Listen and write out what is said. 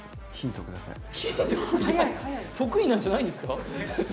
ヒント得意なんじゃないんですか？